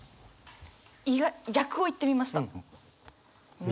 逆をいってみました。